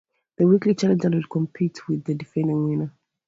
The weekly challenger will compete with the defending winner.